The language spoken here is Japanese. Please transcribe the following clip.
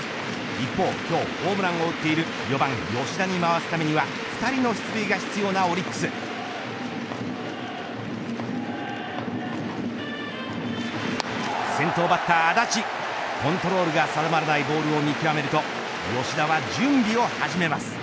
一方、今日ホームランを打っている４番吉田に回すためには２人の出塁が必要なオリックス先頭バッター安達コントロールが定まらないボールを見極めると吉田は準備を始めます。